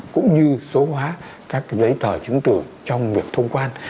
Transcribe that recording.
cũng như số hóa các giấy tờ chứng tử trong việc thông quan